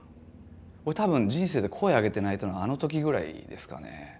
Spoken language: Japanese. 俺多分人生で声上げて泣いたのはあの時ぐらいですかね。